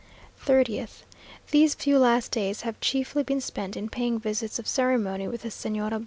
3Oth. These few last days have chiefly been spent in paying visits of ceremony with the Señora